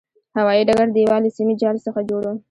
هوایي ډګر دېوال له سیمي جال څخه جوړ و.